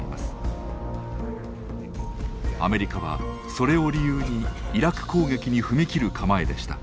アメリカはそれを理由にイラク攻撃に踏み切る構えでした。